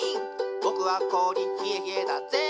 ぼくはこおりひえひえだっぜ」